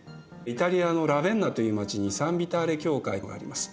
イタリアのラヴェンナという街にサン・ヴィターレ教会があります。